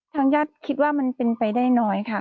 ทางญาติคิดว่ามันเป็นไปได้น้อยค่ะ